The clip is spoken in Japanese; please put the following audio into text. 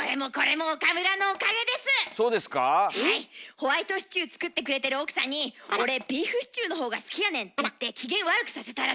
ホワイトシチュー作ってくれてる奥さんに「俺ビーフシチューの方が好きやねん」って言って機嫌悪くさせたらしいじゃん。